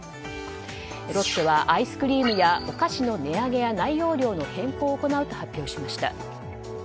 ロッテはアイスクリームやお菓子の値上げや内容量の変更を行うと発表しました。